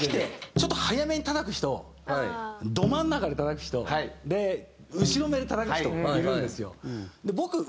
ちょっと早めに叩く人ど真ん中で叩く人後ろめで叩く人いるんですよ。